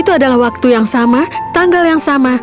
itu adalah waktu yang sama tanggal yang sama